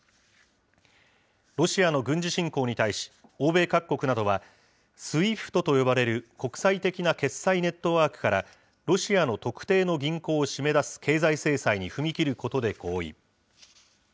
ロシアの軍事侵攻に対し、欧米各国などは、ＳＷＩＦＴと呼ばれる国際的な決済ネットワークからロシアの特定の銀行を締め出す経済制裁に踏み切ることで合意。